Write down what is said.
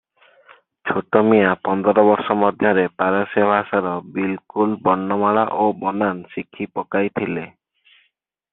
ଛୋଟମିଆଁ ପନ୍ଦର ବର୍ଷ ମଧ୍ୟରେ ପାରସ୍ୟ ଭାଷାର ବିଲକୁଲ ବର୍ଣ୍ଣମାଳା ଓ ବନାନ ଶିଖିପକାଇଥିଲେ ।